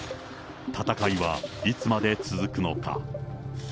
戦いはいつまで続くのか。